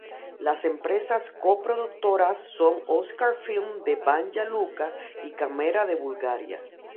Las empresas co-productoras son Oskar Film de Banja Luka y Camera de Bulgaria.